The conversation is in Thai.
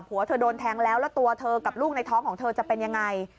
หัวเธอโดนแทงแล้วแล้วตัวเธอกับลูกในท้องของเธอจะเป็นยังไง